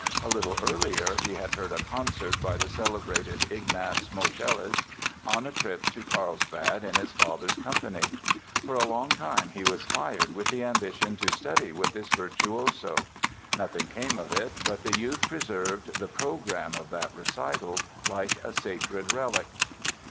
A little earlier he had heard a concert by the celebrated Ignaz Moscheles on a trip to Karlsbad in his father's company. For a long time he was fired with the ambition to study with this virtuoso. Nothing came of it but the youth preserved the program of that recital like a sacred relic.